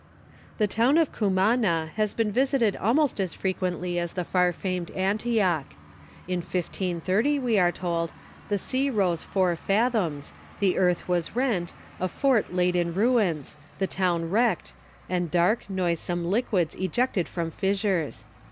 The town of Cumana has been visited almost as frequently as the far famed Antioch. In 1530, we are told, the sea rose four fathoms, the earth was rent, a fort laid in ruins, the town wrecked, and dark, noisome liquids ejected from fissures.